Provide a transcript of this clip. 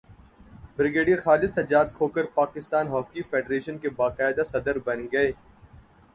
brigadier Khalid Sajjad Khokhar Pakistan hockey federation کے باقاعدہ صدر بن گئے